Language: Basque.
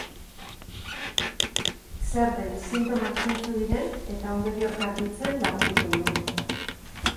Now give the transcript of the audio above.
Zer den, sintomak zeintzu diren eta ondorioak argitzen lagunduko digu.